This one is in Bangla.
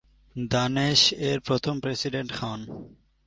দানেশ এর প্রথম প্রেসিডেন্ট হন।